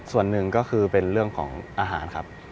ส่วนหนึ่งก็คือเป็นเรื่องของอาหารครับ